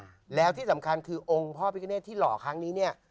ทีนู้นมาแล้วที่สำคัญคือองค์พ่อพิกเกณฑ์ที่หล่อครั้งนี้